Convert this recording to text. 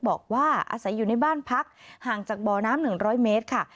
บอกว่าอาศัยอยู่ในบ้านพักห่างจากบ่อน้ำ๑๐๐เมตรค่ะ